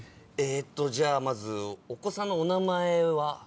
じゃあまずお子さんのお名前は？